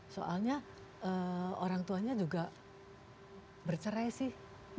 soalnya orang tuanya juga bercerai sih